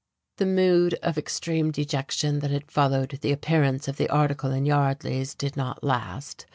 The mood of extreme dejection that had followed the appearance of the article in Yardley's did not last.